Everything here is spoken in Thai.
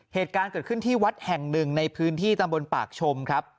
เหตุการณ์เกิดขึ้นที่วัดแห่งหนึ่งในพื้นที่ตำบลปากชมครับ